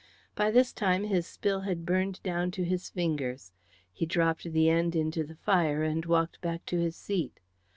By this time his spill had burned down to his fingers. He dropped the end into the fire and walked back to his seat.